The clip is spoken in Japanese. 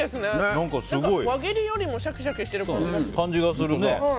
輪切りよりもシャキシャキしてる感じがする。